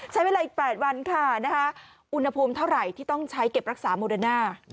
ใช้เวลาอีก๘วันค่ะอุณหภูมิเท่าไหร่ที่ต้องใช้เก็บรักษาโมเดอร์น่า